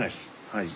はい。